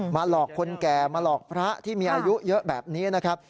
หลอกคนแก่มาหลอกพระที่มีอายุเยอะแบบนี้นะครับ